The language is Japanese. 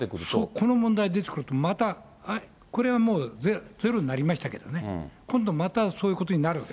この問題出てくると、また、これはもうゼロになりましたけどね、今度またそういうことになるわけ。